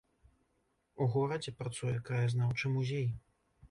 У горадзе працуе краязнаўчы музей.